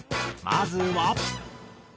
まずは。